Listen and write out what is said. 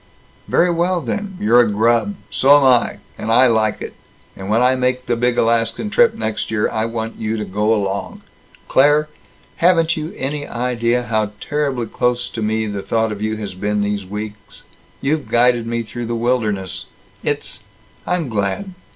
"Very well, then. You're a grub. So am I. And I like it. And when I make the big Alaskan trip next year I want you to go along! Claire! Haven't you any idea how terribly close to me the thought of you has been these weeks? You've guided me through the wilderness " "It's I'm glad."